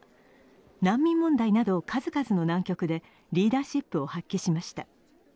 難民問題など数々の難局でリーダーシップを発揮しました。